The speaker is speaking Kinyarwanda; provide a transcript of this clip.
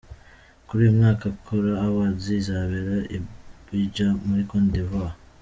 Kuri uyu mwaka Kora Awards izabera i Abidjan muri Côte d’Ivoire.